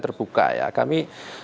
terbuka ya kami